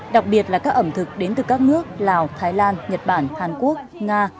đặc biệt là các ẩm thực đến từ các nước lào thái lan nhật bản hàn quốc nga